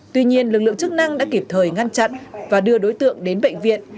tuy nhiên lực lượng chức năng đã kịp thời ngăn chặn và đưa đối tượng đến bệnh viện